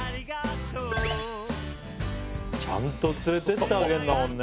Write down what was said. ちゃんと連れてってあげるんだもんね。